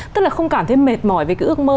tức là không cảm thấy mệt mỏi về cái ước mơ